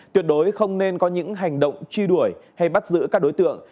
tuyệt đối không nên có những hành động truy đuổi hay bắt giữ các đối tượng